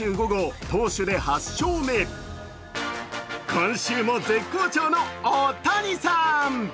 今週も絶好調の大谷さん。